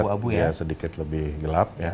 kita bisa lihat sedikit lebih gelap ya